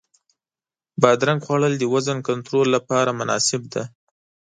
بادرنګ خوړل د وزن کنټرول لپاره مناسب دی.